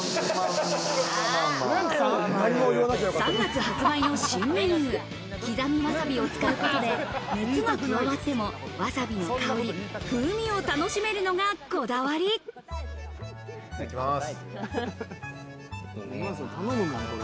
３月発売の新メニュー、刻みわさびを使うことで、熱が加わっても、わさびの香り、風味をいただきます。